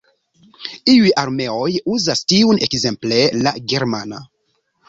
Iuj armeoj uzas tiun, ekzemple la Germana.